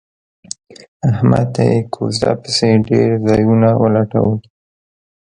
احمد ته یې کوزده پسې ډېر ځایونه ولټول